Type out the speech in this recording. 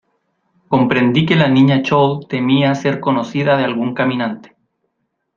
comprendí que la Niña Chole temía ser conocida de algún caminante